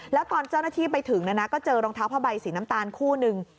แล้วตอนเจ้าหน้าที่ไปถึงนะนะก็เจอรองเท้าผ้าใบสีน้ำตาลคู่นึง